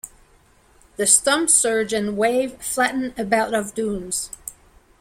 The storm surge and waves flattened about of dunes.